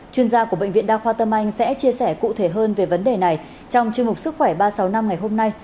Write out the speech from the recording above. chuyên gia của bệnh viện đa khoa tâm anh sẽ chia sẻ cụ thể hơn về vấn đề này trong chuyên mục sức khỏe ba trăm sáu mươi năm ngày hôm nay